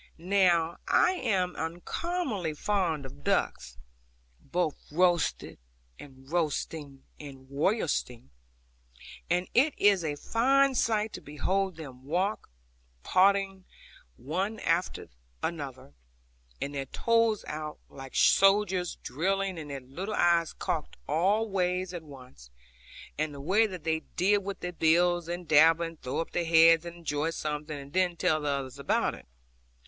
Now I am uncommonly fond of ducks, both roasted and roasting and roystering; and it is a fine sight to behold them walk, poddling one after other, with their toes out, like soldiers drilling, and their little eyes cocked all ways at once, and the way that they dib with their bills, and dabble, and throw up their heads and enjoy something, and then tell the others about it.